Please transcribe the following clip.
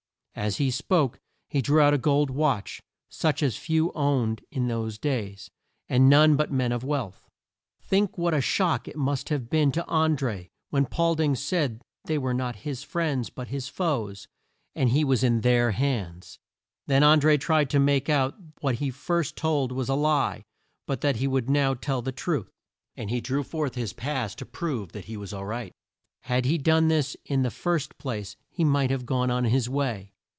As he spoke he drew out a gold watch, such as few owned in those days, and none but men of wealth. Think what a shock it must have been to An dré when Paul ding said they were not his friends but his foes, and he was in their hands. Then An dré tried to make out that what he first told was a lie, but that he would now tell the truth; and he drew forth his pass to prove that he was all right. Had he done this in the first place he might have gone on his way.